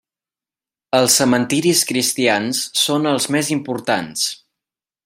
Els cementiris cristians són els més importants.